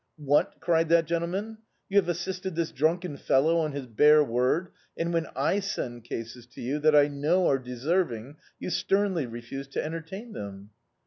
"What," cried that gentleman, '^ou have assisted this drunken fellow on his bare word, and when I send cases to you, that I know are deserving, you sternly refuse to entertain them."